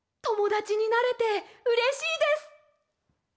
ともだちになれてうれしいです！